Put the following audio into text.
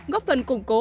góp phần củng cố